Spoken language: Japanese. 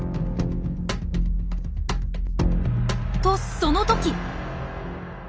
とその時！